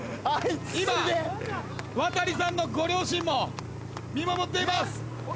今ワタリさんのご両親も見守っています。